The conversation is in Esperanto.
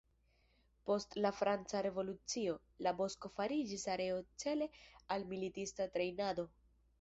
Post la franca revolucio, la bosko fariĝis areo cele al militista trejnado.